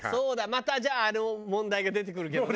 またじゃああの問題が出てくるけどね。